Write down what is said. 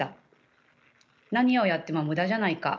「何をやっても無駄じゃないか」